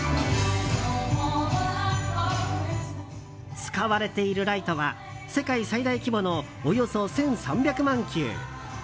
使われているライトは世界最大規模のおよそ１３００万球。